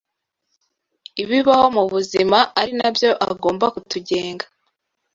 ibibaho mu buzima ari na yo agomba kutugenga